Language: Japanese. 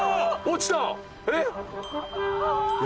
落ちた！えっ！？